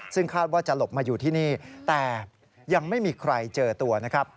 ซึ่งคาดว่าจะหลบมาอยู่ที่นี่แต่ยังไม่มีใครเจอตัวนะครับ